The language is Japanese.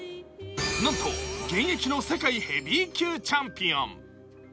なんと、現役の世界ヘビー級チャンピオン。